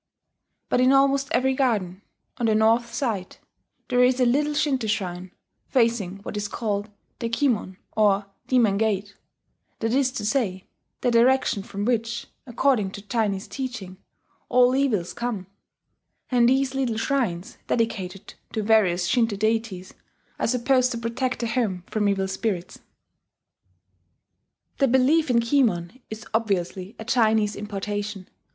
But in almost every garden, on the north side, there is a little Shinto shrine, facing what is called the Ki Mon, or "Demon Gate," that is to say, the direction from which, according to Chinese teaching, all evils come; and these little shrines, dedicated to various Shinto deities, are supposed to protect the home from evil spirits. The belief in the Ki Mon is obviously a Chinese importation.